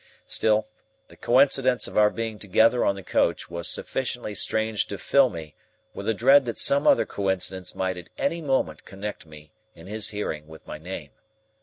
Still, the coincidence of our being together on the coach, was sufficiently strange to fill me with a dread that some other coincidence might at any moment connect me, in his hearing, with my name.